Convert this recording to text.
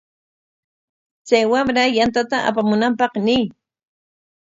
Chay wamra yantata apamunanpaq ñiy.